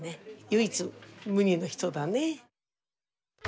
唯一無二の人だね。